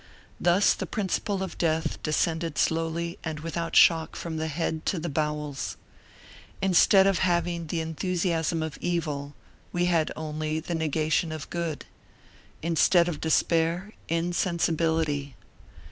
Thus the principle of death descended slowly and without shock from the head to the bowels. Instead of having the enthusiasm of evil we had only the negation of the good; instead of despair, insensibility.